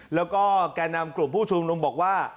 แล้วก็แก่นำกลุ่มผู้ชุมนุมบอกว่า